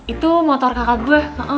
itu motor kakak gue